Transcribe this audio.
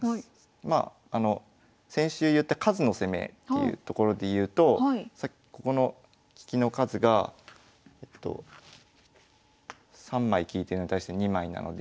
まあ先週言った数の攻めっていうところでいうとここの利きの数が３枚利いてるのに対して２枚なので。